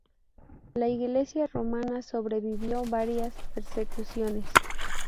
La iglesia romana sobrevivió varias persecuciones.